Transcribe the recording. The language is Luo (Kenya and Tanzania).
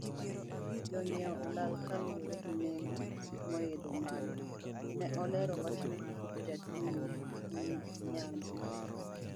Jongiewo olal kaluwore gi nengo moidho malo, ne olero wachno, jaduong Onyadi.